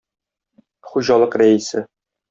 Хуҗалык рәисе.